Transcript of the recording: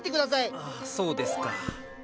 ああそうですかあ。